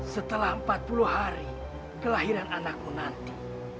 setelah empat puluh hari kelahiran anakku nanti